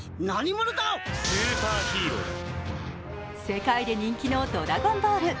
世界で人気の「ドラゴンボール」。